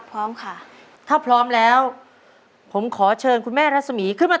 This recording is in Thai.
พร้อมค่ะถ้าพร้อมแล้วผมขอเชิญคุณแม่รัศมีร์ขึ้นมา